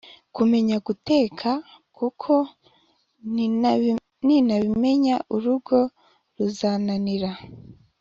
kumenya guteka, kuko nintabimenya urugo ruzananira.